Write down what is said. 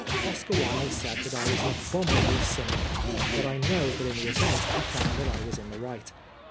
Oscar Wilde said 106 Oscar Wilde that I was an abominable cynic, but I know that in the event he found that I was in the right.